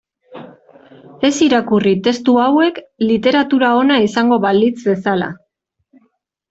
Ez irakurri testu hauek literatura ona izango balitz bezala.